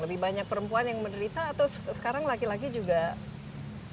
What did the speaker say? lebih banyak perempuan yang menderita atau sekarang laki laki juga bisa